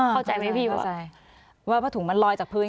เข้าใจไหมพี่เข้าใจว่าผ้าถุงมันลอยจากพื้น